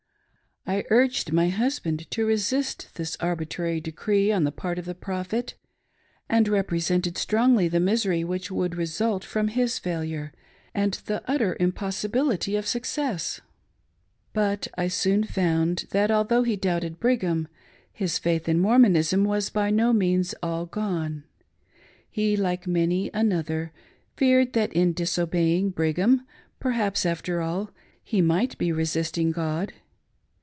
I urged my husband to resist this arbitrary decree on the part of the Prophet, and represented strongly the misery which would result from his failure, and the utter impossibility of success. But I soon found that^ though he doubted Brigham, his faith in Mormonisra was by no means all gone — he, like many another, feared that in disobeying Brigham, perhaps, after all, he might be resisting God.